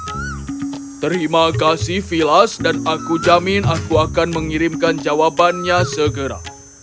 terima kasih vilas dan aku jamin aku akan mengirimkan jawabannya segera